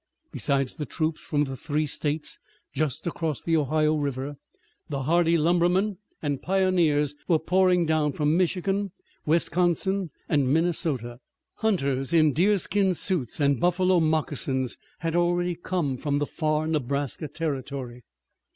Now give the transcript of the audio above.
Besides the troops from the three states just across the Ohio River the hardy lumbermen and pioneers were pouring down from Michigan, Wisconsin, and Minnesota. Hunters in deerskin suits and buffalo moccasins had already come from the far Nebraska Territory.